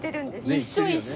一緒一緒！